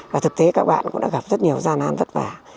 và thực tế các bạn cũng đã gặp rất nhiều gian nan vất vả